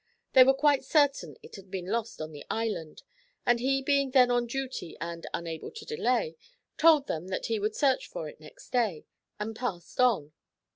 They were quite certain it had been lost on the island, and he being then on duty and 'unable to delay,' told them that he would search for it next day, and passed on.